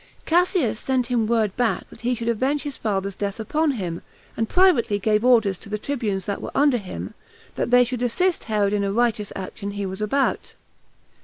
Cassius sent him word back that he should avenge his father's death upon him, and privately gave order to the tribunes that were under him, that they should assist Herod in a righteous action he was about.